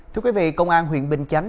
thưa quý vị công an huyện bình chánh